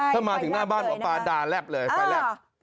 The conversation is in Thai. ถ้ามาถึงหน้าบ้านหมอปลาด่าแลบเลยไฟแลบ